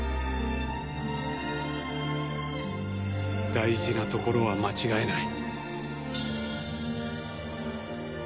大事なところは間違えない。